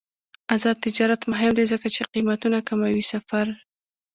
آزاد تجارت مهم دی ځکه چې قیمتونه کموي سفر.